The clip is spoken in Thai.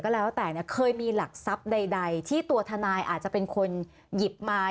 แล้วแต่เคยมีหลักทรัพย์ใดที่ตัวทนายอาจจะเป็นคนหยิบมา